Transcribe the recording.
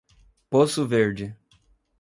Poço Verde